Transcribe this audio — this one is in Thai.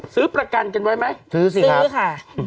ซื้อประกันกันไว้ไหมซื้อสิครับซื้อค่ะ